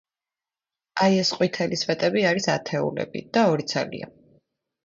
აი, ეს ყვითელი სვეტები არის ათეულები. და ორი ცალია.